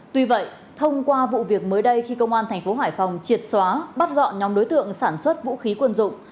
tuy vậy thông qua vụ việc mới đây khi công an thành phố hải phòng triệt xóa bắt gọn nhóm đối tượng sản xuất vũ khí quân dụng